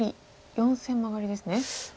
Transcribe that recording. ４線マガリですね。